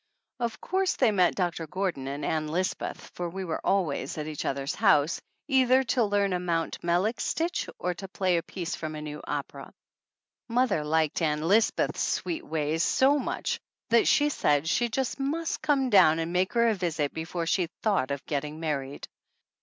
Of course they met Doctor Gordon and Ann Lisbeth, for we were always at each other's house, either to learn a Mount Mellick stitch or to play a piece from a new opera. Mother liked Ann Lisbeth's sweet ways 45 THE ANNALS OF ANN so much that she said she just must come down and make her a visit before she thought of get ting married.